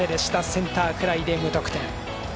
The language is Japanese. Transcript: センターフライで無得点。